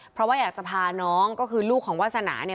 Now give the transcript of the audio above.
เพราะว่าอยากจะพาน้องก็คือลูกของวาสนาเนี่ย